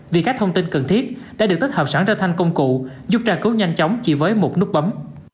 vì các thông tin cần thiết đã được tích hợp sẵn trở thành công cụ giúp tra cứu nhanh chóng chỉ với một nút bấm